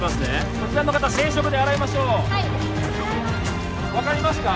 こちらの方生食で洗いましょうはい分かりますか？